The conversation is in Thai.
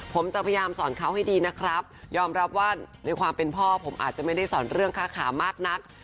ผมจะพยายามสอนเขาให้ดีนะครับยอมรับว่าในความเป็นพ่อผมอาจจะไม่ได้สอนเรื่องค่าขามากนัก